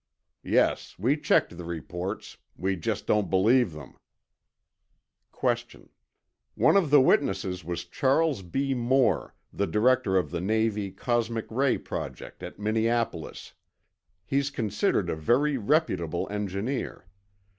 Yes, we checked the reports. We just don't believe them. Q. One of the witnesses was Charles B. Moore, the director of the Navy cosmic ray project at Minneapolis, He's considered a very reputable engineer.